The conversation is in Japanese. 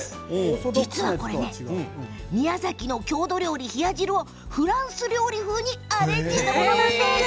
実はこれ宮崎の郷土料理冷や汁をフランス料理風にアレンジしたものなんです。